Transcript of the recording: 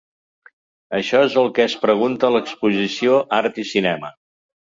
Això és el que es pregunta l’exposició Art i cinema.